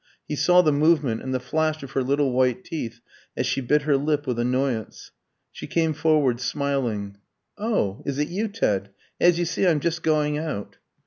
He saw the movement and the flash of her little white teeth as she bit her lip with annoyance. She came forward smiling. "Oh, is it you, Ted? As you see, I'm just going out."